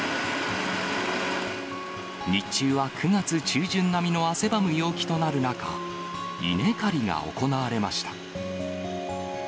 日中は９月中旬並みの汗ばむ陽気となる中、稲刈りが行われました。